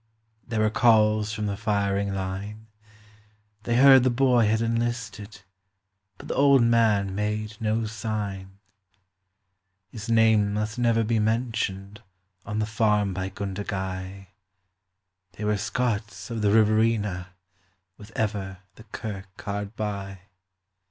There were calls from the firing line; They heard the boy had enlisted, but the old man made no sign. His name must never be mentioned on the farm by Gundagai They were Scots of the Riverina with ever the kirk hard by.